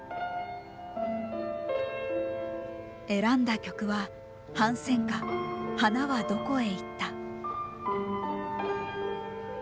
選んだ曲は反戦歌「花はどこへ行った」。